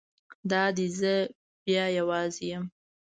دا دی زه بیا یوازې یم.